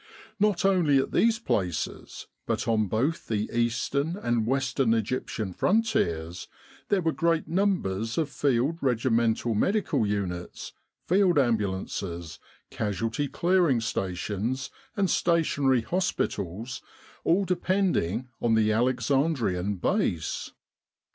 Not only at these places but on both the Eastern and Western Egyptian frontiers, there were great numbers of field regimental medical units, field ambulances, Casualty Clearing Stations, and Stationary Hospitals all depending on the Alexandrian Base.